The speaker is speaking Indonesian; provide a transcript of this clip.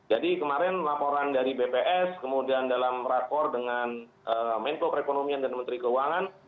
jadi kemarin laporan dari bps kemudian dalam rapor dengan menko perekonomian dan menteri keuangan